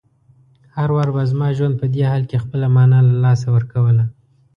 هر وار به زما ژوند په دې حال کې خپله مانا له لاسه ورکوله.